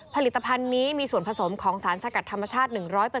ผลิตภัณฑ์นี้มีส่วนผสมของสารสกัดธรรมชาติ๑๐๐